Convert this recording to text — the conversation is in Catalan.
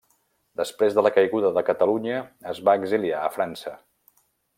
Després de la caiguda de Catalunya es va exiliar a França.